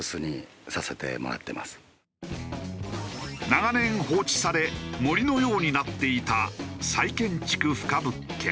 長年放置され森のようになっていた再建築不可物件。